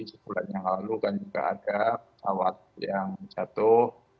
sebulan yang lalu kan juga ada pesawat yang jatuh